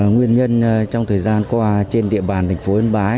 nguyên nhân trong thời gian qua trên địa bàn thành phố yên bái